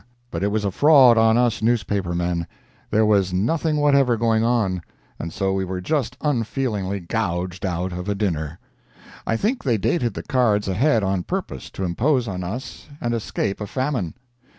But it was a fraud on us newspaper men—there was nothing whatever going on, and so we were just unfeelingly gouged out of a dinner. I think they dated the cards ahead on purpose to impose on us and escape a famine.